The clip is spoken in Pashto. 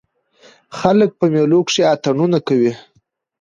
خلک په مېلو کښي اتڼونه کوي.